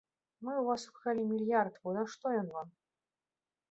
Мы ў вас укралі мільярд, бо нашто ён вам?